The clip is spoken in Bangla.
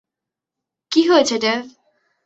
কী হয়েছে, ডেভ?